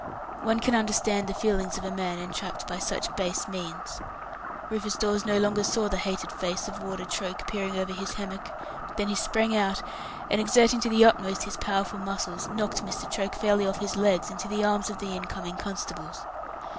One can understand the feelings of a man entrapped by such base means. Rufus Dawes no sooner saw the hated face of Warder Troke peering over his hammock, then he sprang out, and exerting to the utmost his powerful muscles, knocked Mr. Troke fairly off his legs into the arms of the in coming constables.